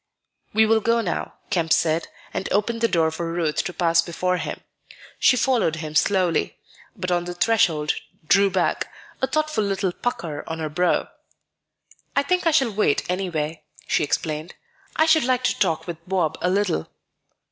"We will go now," Kemp said, and opened the door for Ruth to pass before him. She followed him slowly, but on the threshold drew back, a thoughtful little pucker on her brow. "I think I shall wait anyway," she explained. "I should like to talk with Bob a little."